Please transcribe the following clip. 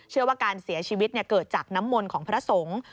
ว่าการเสียชีวิตเกิดจากน้ำมนต์ของพระสงฆ์